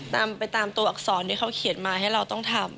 ตามไปตามตัวอักษรที่เขาเขียนมาให้เราต้องทำ